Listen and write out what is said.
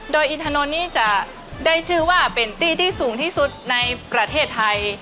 โดยอินทานนท์นี้จะได้ชื่อว่าเป็นตี้ที่สูงที่สุดในประเทศไทย